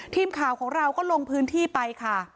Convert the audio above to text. ทีมข่าวของเราก็ลงพื้นที่ไปค่ะ